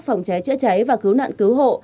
phòng cháy chữa cháy và cứu nạn cứu hộ